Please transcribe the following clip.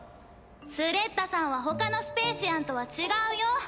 スレッタさんはほかのスペーシアンとは違うよ。